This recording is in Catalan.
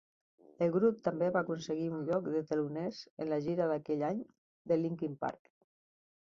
El grup també va aconseguir un lloc de teloners en la gira d'aquell any de Linkin Park.